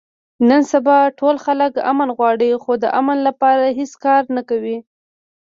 نن سبا ټول خلک امن غواړي، خو د امن لپاره هېڅ کار نه کوي.